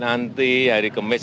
nanti hari kemas